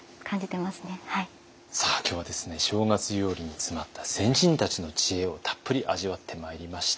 さあ今日は正月料理に詰まった先人たちの知恵をたっぷり味わってまいりました。